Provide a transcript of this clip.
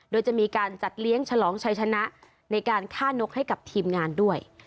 โดยจะมีการจัดเลี้ยงฉลองชัยชนะในการฆ่านกให้กับทีมงานด้วย